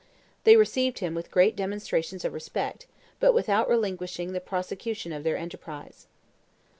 They received him with great demonstrations of respect, but without relinquishing the prosecution of their enterprise.